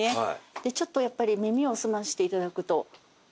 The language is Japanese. でちょっとやっぱり耳を澄まして頂くと。